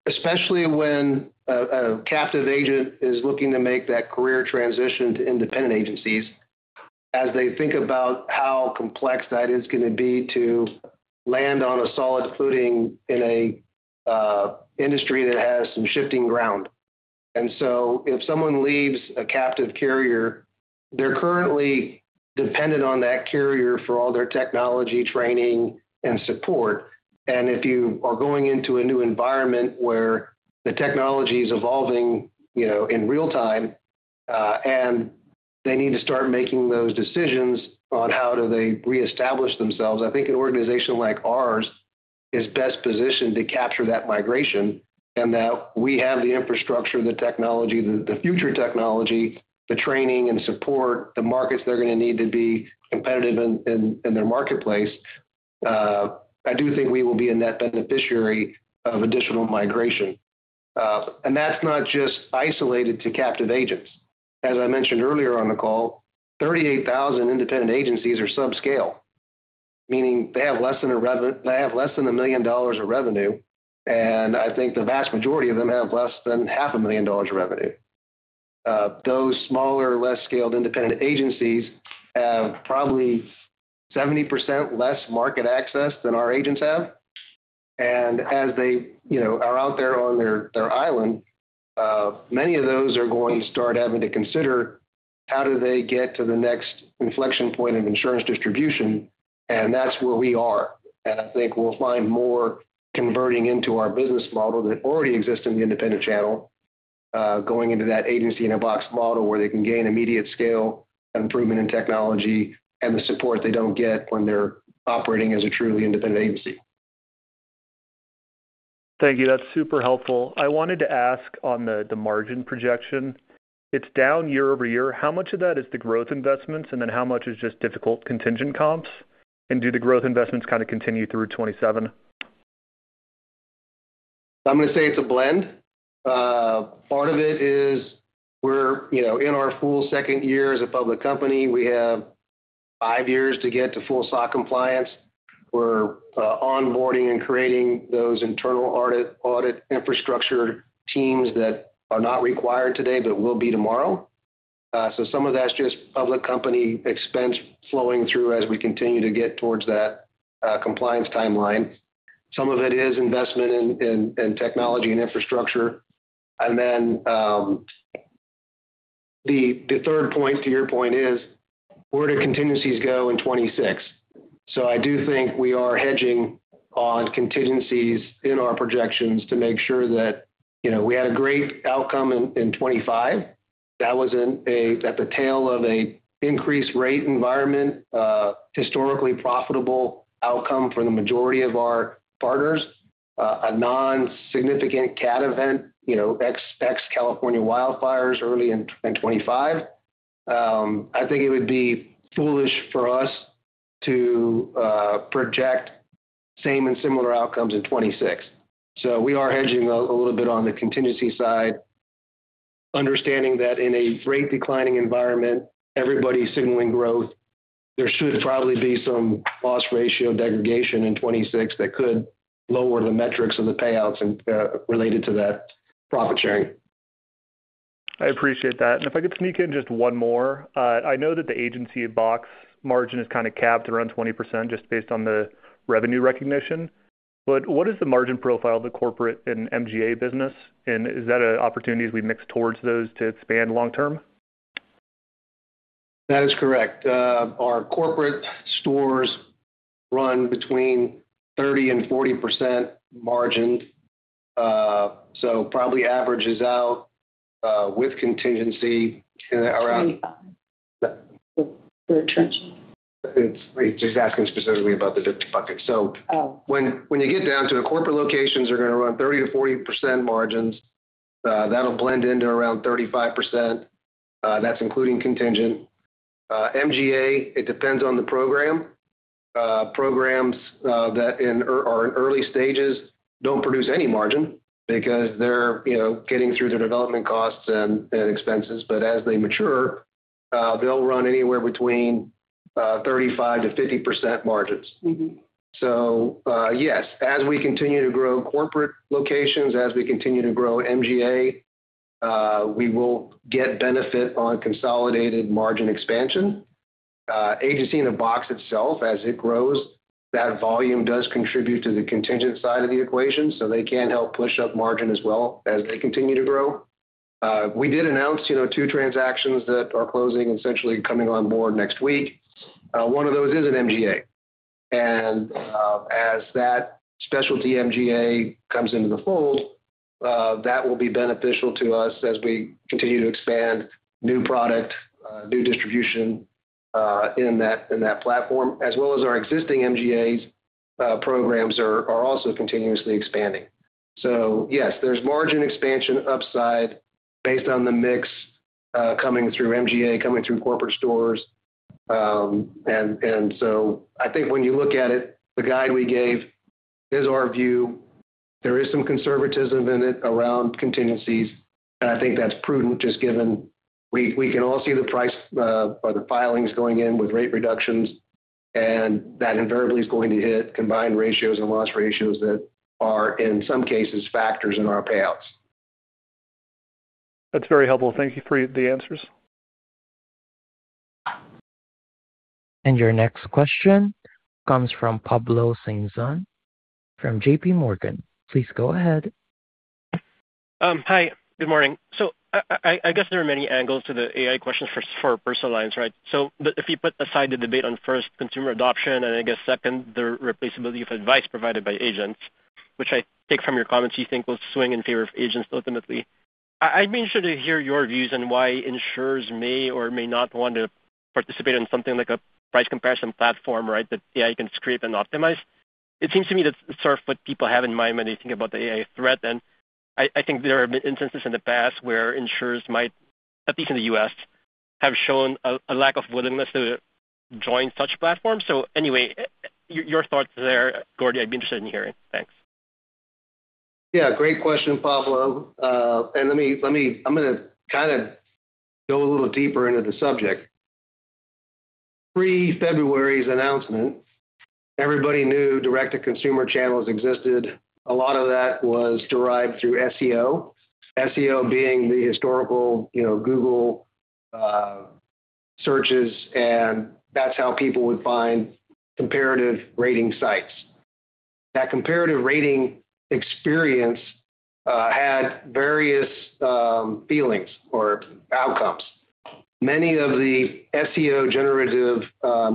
B: especially when a captive agent is looking to make that career transition to independent agencies, as they think about how complex that is going to be to land on a solid footing in a industry that has some shifting ground. If someone leaves a captive carrier, they're currently dependent on that carrier for all their technology, training, and support. If you are going into a new environment where the technology is evolving, you know, in real time, and they need to start making those decisions on how do they reestablish themselves, I think an organization like ours is best positioned to capture that migration, and that we have the infrastructure, the technology, the future technology, the training and support, the markets they're going to need to be competitive in their marketplace. I do think we will be a net beneficiary of additional migration. That's not just isolated to captive agents. As I mentioned earlier on the call, 38,000 independent agencies are subscale, meaning they have less than $1 million of revenue, and I think the vast majority of them have less than half a million dollars of revenue. Those smaller, less scaled independent agencies have probably 70% less market access than our agents have. As they, you know, are out there on their island, many of those are going to start having to consider how do they get to the next inflection point of insurance distribution, and that's where we are. I think we'll find more converting into our business model that already exists in the independent channel, going into that Agency in a Box model where they can gain immediate scale and improvement in technology and the support they don't get when they're operating as a truly independent agency.
H: Thank you. That's super helpful. I wanted to ask on the margin projection, it's down year-over-year. How much of that is the growth investments, and then how much is just difficult contingent comps? Do the growth investments kind of continue through 2027?
B: I'm going to say it's a blend. Part of it is we're, you know, in our full second year as a public company, we have five years to get to full SOC compliance. We're onboarding and creating those internal audit infrastructure teams that are not required today, but will be tomorrow. Some of that's just public company expense flowing through as we continue to get towards that compliance timeline. Some of it is investment in technology and infrastructure. The third point to your point is, where do contingencies go in 26? I do think we are hedging on contingencies in our projections to make sure that, you know, we had a great outcome in 2025. That was at the tail of a increased rate environment, historically profitable outcome for the majority of our partners, a non-significant cat event, you know, ex California wildfires early in 2025. I think it would be foolish for us to project same and similar outcomes in 2026. We are hedging a little bit on the contingency side, understanding that in a rate declining environment, everybody's signaling growth. There should probably be some loss ratio degradation in 2026 that could lower the metrics of the payouts and related to that profit sharing.
H: I appreciate that. If I could sneak in just one more. I know that the agency box margin is kind of capped around 20% just based on the revenue recognition, but what is the margin profile of the corporate and MGA business, and is that an opportunity as we mix towards those to expand long term?
B: That is correct. Our corporate stores run between 30% and 40% margin. Probably averages out with contingency. Yeah. He's asking specifically about the different buckets.
H: Oh.
B: When you get down to the corporate locations, they're going to run 30%-40% margins. That'll blend into around 35%. That's including contingent. MGA, it depends on the program. Programs that are in early stages don't produce any margin because they're, you know, getting through their development costs and expenses. As they mature, they'll run anywhere between 35%-50% margins.
H: Mm-hmm.
B: Yes, as we continue to grow corporate locations, as we continue to grow MGA, we will get benefit on consolidated margin expansion. Agency in a Box itself, as it grows, that volume does contribute to the contingent side of the equation, so they can help push up margin as well as they continue to grow. We did announce, you know, two transactions that are closing and essentially coming on board next week. One of those is an MGA. As that specialty MGA comes into the fold, that will be beneficial to us as we continue to expand new product, new distribution, in that, in that platform, as well as our existing MGA programs are also continuously expanding. Yes, there's margin expansion upside based on the mix, coming through MGA, coming through corporate stores. I think when you look at it, the guide we gave is our view. There is some conservatism in it around contingencies, and I think that's prudent, just given we can all see the price or the filings going in with rate reductions. That invariably is going to hit combined ratios and loss ratios that are, in some cases, factors in our payouts.
H: That's very helpful. Thank you for the answers.
A: Your next question comes from Pablo Singzon from JPMorgan. Please go ahead.
I: Hi. Good morning. I guess there are many angles to the AI question for personal lines, right? If you put aside the debate on first consumer adoption, and I guess second, the replaceability of advice provided by agents, which I take from your comments, you think will swing in favor of agents ultimately. I'd be interested to hear your views on why insurers may or may not want to participate in something like a price comparison platform, right? That, you can scrape and optimize. It seems to me that's sort of what people have in mind when they think about the AI threat. I think there are instances in the past where insurers might, at least in the U.S., have shown a lack of willingness to join such platforms. Your thoughts there, Gordy, I'd be interested in hearing. Thanks.
B: Yeah, great question, Pablo. Let me, I'm going to kind of go a little deeper into the subject. Pre-February's announcement, everybody knew direct-to-consumer channels existed. A lot of that was derived through SEO. SEO being the historical, you know, Google, searches, and that's how people would find comparative rating sites. That comparative rating experience had various feelings or outcomes. Many of the SEO generative,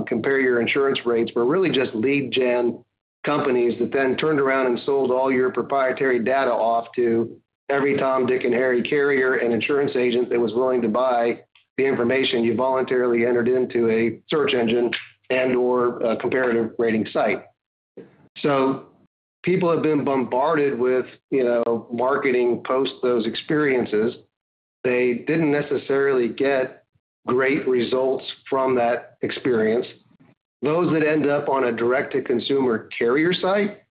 B: compare your insurance rates were really just lead gen companies that then turned around and sold all your proprietary data off to every Tom, Dick, and Harry carrier and insurance agent that was willing to buy the information you voluntarily entered into a search engine and/or a comparative rating site. People have been bombarded with, you know, marketing post those experiences. They didn't necessarily get great results from that experience. Those that end up on a direct-to-consumer carrier site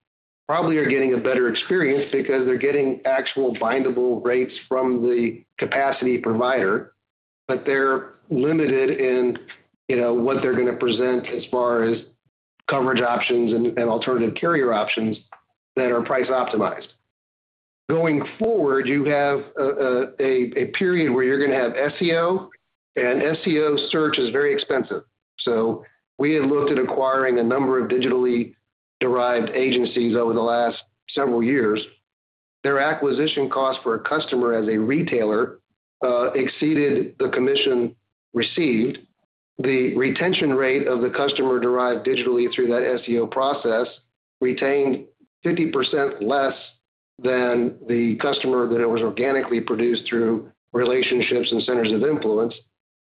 B: probably are getting a better experience because they're getting actual bindable rates from the capacity provider, but they're limited in, you know, what they're going to present as far as coverage options and alternative carrier options that are price optimized. Going forward, you have a period where you're going to have SEO. And SEO search is very expensive. We had looked at acquiring a number of digitally derived agencies over the last several years. Their acquisition cost for a customer as a retailer exceeded the commission received. The retention rate of the customer derived digitally through that SEO process retained 50% less than the customer that it was organically produced through relationships and centers of influence.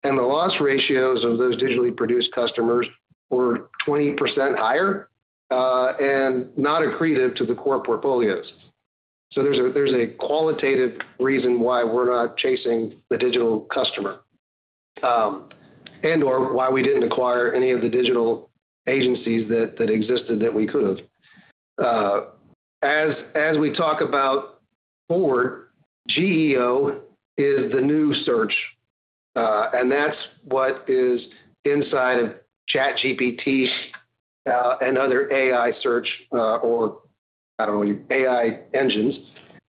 B: The loss ratios of those digitally produced customers were 20% higher and not accretive to the core portfolios. There's a, there's a qualitative reason why we're not chasing the digital customer and/or why we didn't acquire any of the digital agencies that existed, that we could have. As, as we talk about forward, GEO is the new search, and that's what is inside of ChatGPT and other AI search or I don't know, AI engines.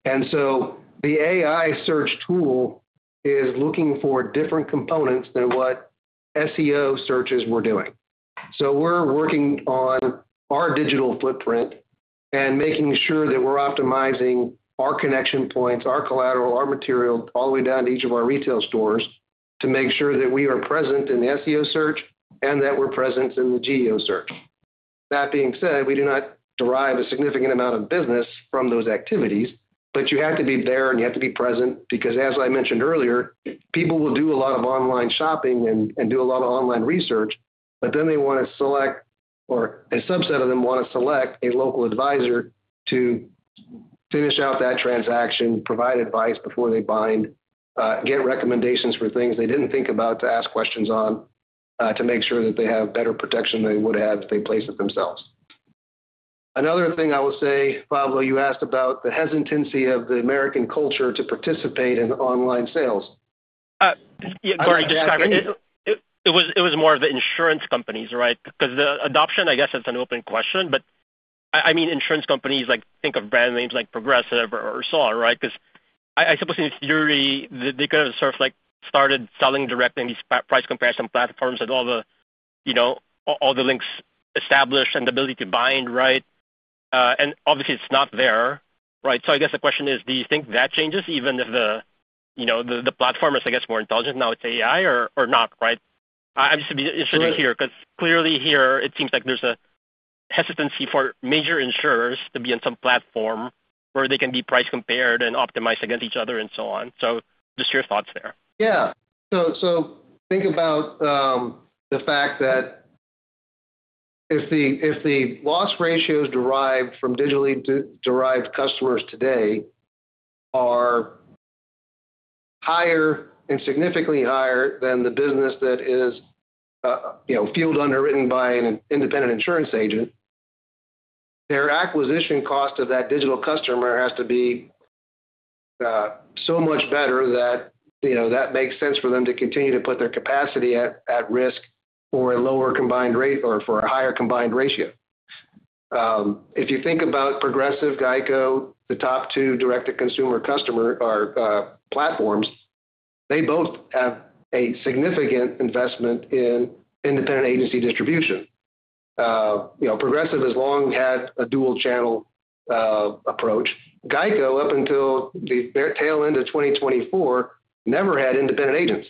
B: The AI search tool is looking for different components than what SEO searches were doing. We're working on our digital footprint and making sure that we're optimizing our connection points, our collateral, our material, all the way down to each of our retail stores, to make sure that we are present in the SEO search and that we're present in the GEO search. That being said, we do not derive a significant amount of business from those activities, but you have to be there, and you have to be present, because as I mentioned earlier, people will do a lot of online shopping and do a lot of online research, but then they want to select, or a subset of them want to select a local advisor to finish out that transaction, provide advice before they bind, get recommendations for things they didn't think about, to ask questions on, to make sure that they have better protection than they would have if they placed it themselves. Another thing I will say, Pablo, you asked about the hesitancy of the American culture to participate in online sales.
I: Yeah, sorry to interrupt. It, it was, it was more of the insurance companies, right? Because the adoption, I guess, that's an open question, but I mean, insurance companies, like, think of brand names like Progressive or so on, right? Because I suppose in theory, they could have sort of, like, started selling directly in these price comparison platforms and all the, you know, all the links established and the ability to bind, right? And obviously, it's not there, right. I guess the question is, do you think that changes even if the, you know, the platform is, I guess, more intelligent now with AI or not, right? I'm just interested here, because clearly here it seems like there's a hesitancy for major insurers to be on some platform where they can be price compared and optimized against each other and so on. Just your thoughts there.
B: Yeah. Think about the fact that if the loss ratios derived from digitally de-derived customers today are higher and significantly higher than the business that is, you know, field underwritten by an independent insurance agent, their acquisition cost of that digital customer has to be so much better that, you know, that makes sense for them to continue to put their capacity at risk for a lower combined rate or for a higher combined ratio. Think about Progressive, Geico, the top two direct-to-consumer customer or platforms, they both have a significant investment in independent agency distribution. You know, Progressive has long had a dual-channel approach. Geico, up until the tail end of 2024, never had independent agents.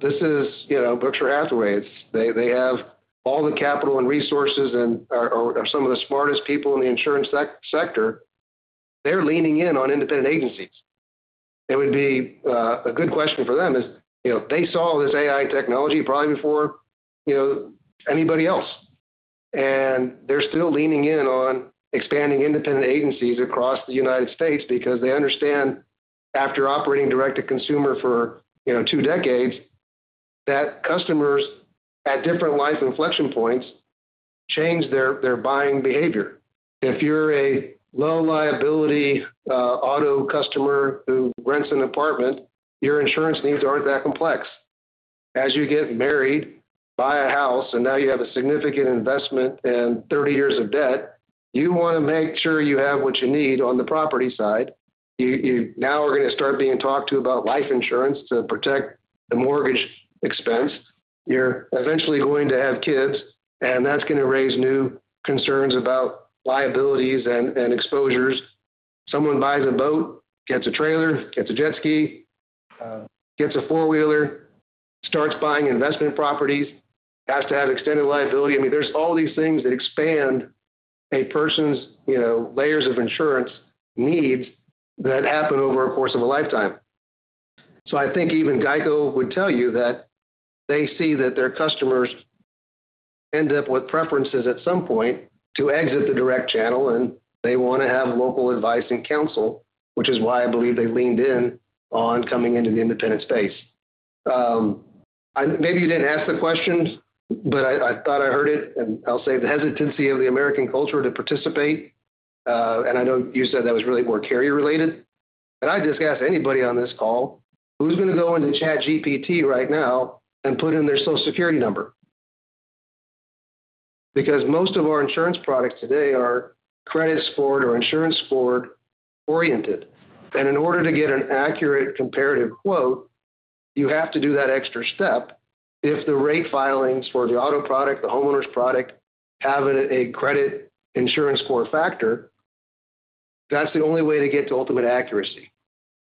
B: This is, you know, Berkshire Hathaway. They have all the capital and resources and are some of the smartest people in the insurance sector. They're leaning in on independent agencies. It would be a good question for them is, you know, they saw this AI technology probably before, you know, anybody else, and they're still leaning in on expanding independent agencies across the United States because they understand, after operating direct-to-consumer for, you know, two decades, that customers at different life inflection points change their buying behavior. If you're a low liability, auto customer who rents an apartment, your insurance needs aren't that complex. As you get married, buy a house, and now you have a significant investment and 30 years of debt, you want to make sure you have what you need on the property side. You now are going to start being talked to about life insurance to protect the mortgage expense. You're eventually going to have kids, that's going to raise new concerns about liabilities and exposures. Someone buys a boat, gets a trailer, gets a jet ski, gets a four-wheeler, starts buying investment properties, has to have extended liability. I mean, there's all these things that expand a person's, you know, layers of insurance needs that happen over a course of a lifetime. I think even Geico would tell you that they see that their customers end up with preferences at some point to exit the direct channel, they want to have local advice and counsel, which is why I believe they leaned in on coming into the independent space. Maybe you didn't ask the questions, but I thought I heard it, and I'll say the hesitancy of the American culture to participate, and I know you said that was really more carrier-related, but I just ask anybody on this call who's going to go into ChatGPT right now and put in their Social Security number? Most of our insurance products today are credit scored or insurance scored oriented, and in order to get an accurate comparative quote, you have to do that extra step. If the rate filings for the auto product, the homeowners product, have a credit insurance score factor, that's the only way to get to ultimate accuracy.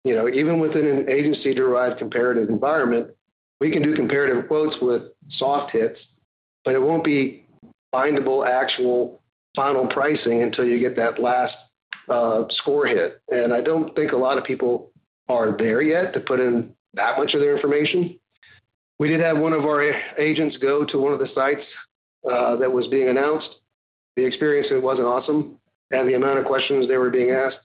B: You know, even within an agency-derived comparative environment, we can do comparative quotes with soft hits, but it won't be bindable, actual final pricing until you get that last score hit. I don't think a lot of people are there yet to put in that much of their information. We did have one of our agents go to one of the sites that was being announced. The experience, it wasn't awesome, and the amount of questions they were being asked,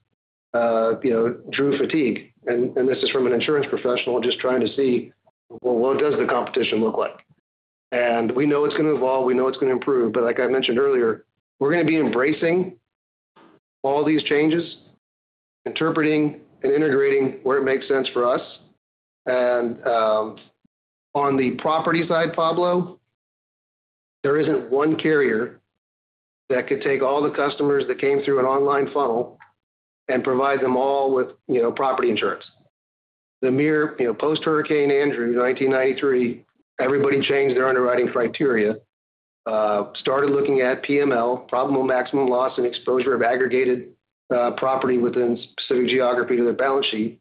B: you know, drew fatigue. This is from an insurance professional just trying to see, well, what does the competition look like? We know it's going to evolve, we know it's going to improve, but like I mentioned earlier, we're going to be embracing all these changes, interpreting and integrating where it makes sense for us. On the property side, Pablo, there isn't one carrier that could take all the customers that came through an online funnel and provide them all with, you know, property insurance. The mere, you know, post-Hurricane Andrew, 1993, everybody changed their underwriting criteria, started looking at PML, Probable Maximum Loss, and exposure of aggregated property within specific geography to their balance sheet.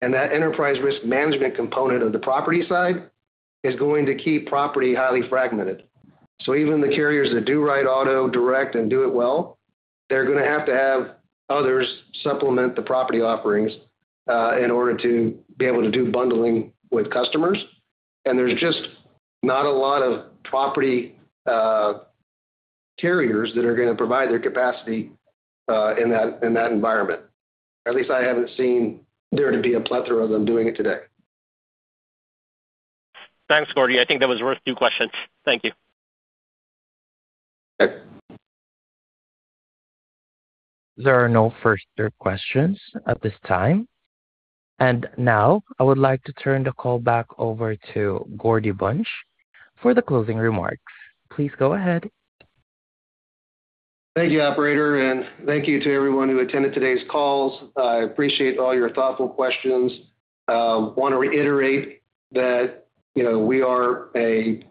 B: That enterprise risk management component of the property side is going to keep property highly fragmented. Even the carriers that do write auto direct and do it well, they're going to have to have others supplement the property offerings in order to be able to do bundling with customers. There's just not a lot of property carriers that are going to provide their capacity in that environment. At least I haven't seen there to be a plethora of them doing it today.
I: Thanks, Gordy. I think that was worth two questions. Thank you.
B: Okay.
A: There are no further questions at this time. Now I would like to turn the call back over to Gordy Bunch for the closing remarks. Please go ahead.
B: Thank you, operator. Thank you to everyone who attended today's calls. I appreciate all your thoughtful questions. Want to reiterate that, you know, we have a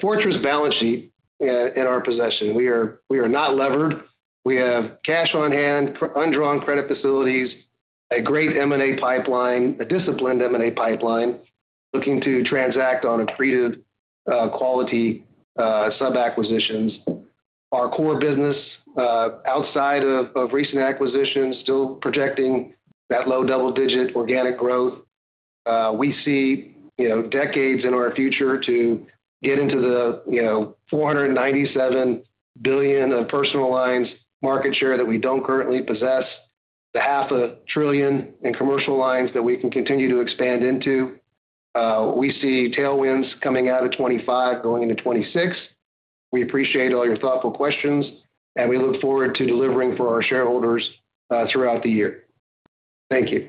B: fortress balance sheet in our possession. We are not levered. We have cash on hand, undrawn credit facilities, a great M&A pipeline, a disciplined M&A pipeline, looking to transact on accretive, quality, sub-acquisitions. Our core business, outside of recent acquisitions, still projecting that low double-digit organic growth. We see, you know, decades in our future to get into the, you know, $497 billion of personal lines market share that we don't currently possess, the half a trillion in commercial lines that we can continue to expand into. We see tailwinds coming out of 2025, going into 2026. We appreciate all your thoughtful questions, and we look forward to delivering for our shareholders, throughout the year. Thank you.